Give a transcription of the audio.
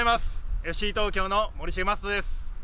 ＦＣ東京の森重真人です。